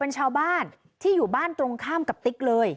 เป็นชาวบ้านที่อยู่บ้านตรงข้ามกับติ๊กเลย